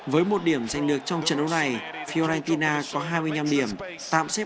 với một điểm giành được trong trận đấu này fiorentina có hai mươi năm điểm